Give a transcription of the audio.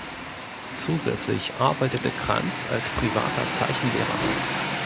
Zusätzlich arbeitete Krantz als privater Zeichenlehrer.